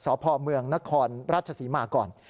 สพเมืองนครราชศรีมาก่อน